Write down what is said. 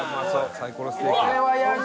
サイコロステーキだ」